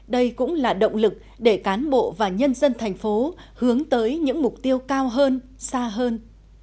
đây cũng là động lực để cán bộ và nhân dân thành phố hướng tới những mục tiêu cao hơn xa hơn